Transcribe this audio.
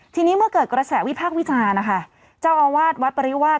ทีนี้เมื่อเกิดกระแสวิพากษ์วิจารณ์นะคะเจ้าอาวาสวัดปริวาส